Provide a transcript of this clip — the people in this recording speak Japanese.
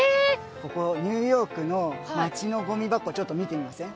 ここニューヨークの街のゴミ箱ちょっと見てみません？